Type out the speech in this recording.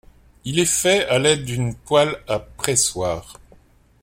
Il est fait à l'aide d'une poêle à pressoir.